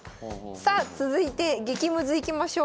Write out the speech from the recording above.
さあ続いて激ムズいきましょう。